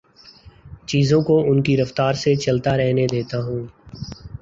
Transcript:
چیزوں کو ان کی رفتار سے چلتا رہنے دیتا ہوں